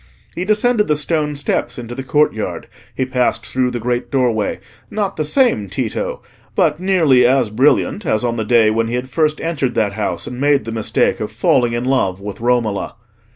He descended the stone steps into the courtyard, he passed through the great doorway, not the same Tito, but nearly as brilliant as on the day when he had first entered that house and made the mistake of falling in love with Romola.